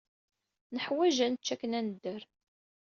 Neḥwaj ad nečč akken ad nedder.